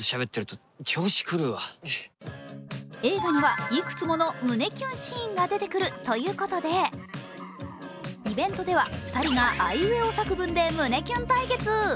映画にはいくつもの胸キュンシーンが出てくるということで、イベントでは２人があいうえお作文で胸キュン対決！